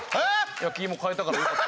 焼き芋買えたからよかった。